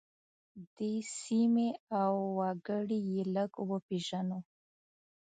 دې سیمې او وګړي یې لږ وپیژنو.